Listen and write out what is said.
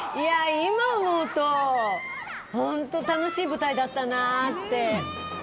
今思うと本当に楽しい舞台だったなって。